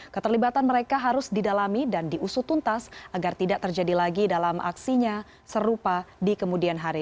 keterlibatan mereka harus didalami dan diusut tuntas agar tidak terjadi lagi dalam aksinya serupa di kemudian hari